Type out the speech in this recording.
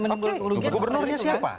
oke gubernurnya siapa